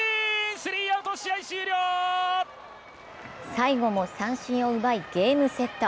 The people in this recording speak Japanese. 最後も三振を奪いゲームセット。